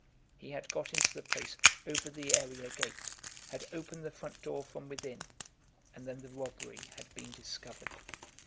He had got into the place over the area gate, had opened the front door from within, and then the robbery had been discovered.